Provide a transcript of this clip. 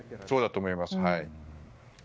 そうだと思います。